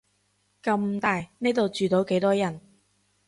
咁大，呢度住到幾多人